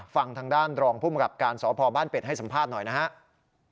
ฟังทางด้านรองภูมิกับการสพบ้านเป็ดให้สัมภาษณ์หน่อยนะครับ